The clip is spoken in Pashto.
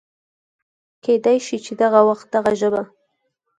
کېدی شي چې دغه وخت دغه ژبې